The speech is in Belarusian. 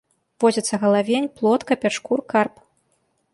Водзяцца галавень, плотка, пячкур, карп.